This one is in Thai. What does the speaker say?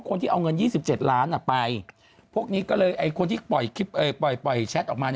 คนที่เอาเงิน๒๗ล้านไปพวกนี้ก็เลยคนที่ปล่อยแชทออกมา